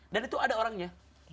dan itu ada orangnya